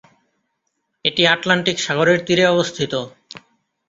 এটি আটলান্টিক সাগরের তীরে অবস্থিত।